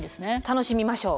楽しみましょう。